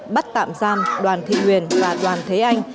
bắt tạm giam đoàn thị huyền và đoàn thế anh